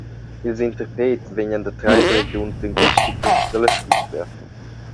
Ils interprets vegnan da treis regiuns linguisticas dalla Svizra.